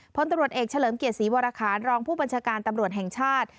พลตำรวจเอกเฉลิมเกียรติศรีวรคารรองผู้บัญชาการตำรวจแห่งชาติ